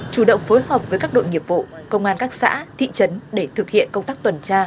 chủ động phối hợp với các đội nghiệp vụ công an các xã thị trấn để thực hiện công tác tuần tra